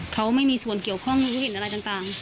เขาไม่มีส่วนเกี่ยวข้องรู้เห็นอะไรต่าง